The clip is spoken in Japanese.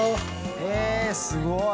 えっすごい。